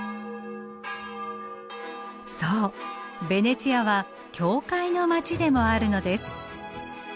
そうベネチアは教会の街でもあるのです。